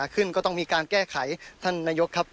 ขึ้นก็ต้องมีการแก้ไขท่านนายกครับ